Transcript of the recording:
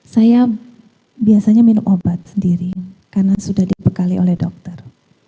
saya biasanya minum obat sendiri karena sudah dibekali oleh dokter